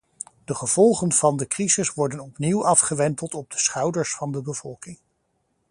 De gevolgen van de crisis worden opnieuw afgewenteld op de schouders van de bevolking.